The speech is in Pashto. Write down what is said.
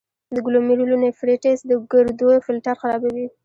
د ګلومیرولونیفریټس د ګردو فلټر خرابوي.